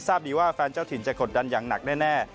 ทราบดีว่าแฟนเจ้าถิ่นจะกดดันอย่างหนักแน่